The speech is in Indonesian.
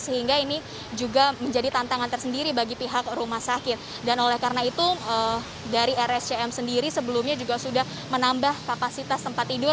sehingga ini juga menjadi tantangan tersendiri bagi pihak rumah sakit dan oleh karena itu dari rscm sendiri sebelumnya juga sudah menambah kapasitas tempat tidur